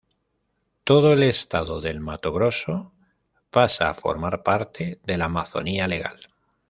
Todo el estado del Mato Grosso pasa a formar parte de la Amazonia legal.